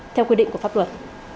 theo quy định của pháp luật